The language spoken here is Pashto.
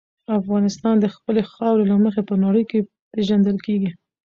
افغانستان د خپلې خاورې له مخې په نړۍ کې پېژندل کېږي.